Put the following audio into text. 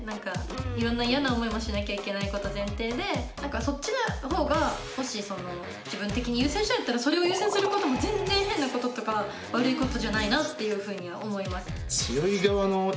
いろんな嫌な思いもしなきゃいけないこと前提でそっちのほうがもし自分的に優先しちゃうんだったらそれを優先することも全然変なこととか悪いことじゃないなっていうふうには思います。